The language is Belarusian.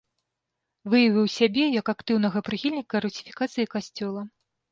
Выявіў сябе як актыўнага прыхільніка русіфікацыі касцёла.